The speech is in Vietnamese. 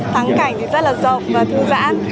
thắng cảnh rất là rộng và thư giãn